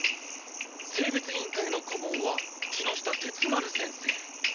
生物委員会の顧問は木下鉄丸先生。